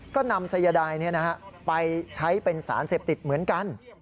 ก็นำสายดายไปใช้เป็นสารเสพติดเหมือนกัน